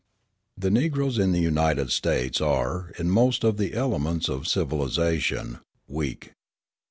The Negroes in the United States are, in most of the elements of civilisation, weak.